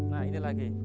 nah ini lagi